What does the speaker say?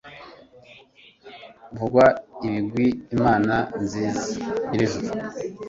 vugwa ibigwi, mana nziza nyir'ijuru